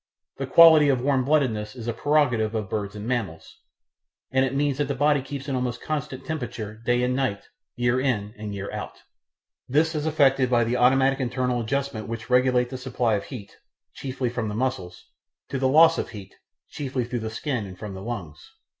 The quality of warm bloodedness is a prerogative of birds and mammals, and it means that the body keeps an almost constant temperature, day and night, year in and year out. This is effected by automatic internal adjustments which regulate the supply of heat, chiefly from the muscles, to the loss of heat, chiefly through the skin and from the lungs.